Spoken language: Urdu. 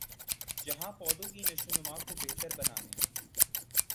جہاں پودوں کی نشوونما کو بہتر بنانے